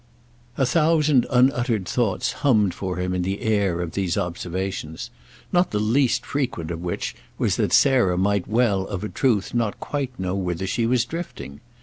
A thousand unuttered thoughts hummed for him in the air of these observations; not the least frequent of which was that Sarah might well of a truth not quite know whither she was drifting.